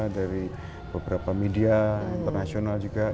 dari beberapa media internasional juga